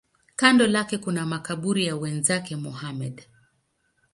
Kando lake kuna makaburi ya wenzake Muhammad.